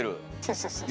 そうそう。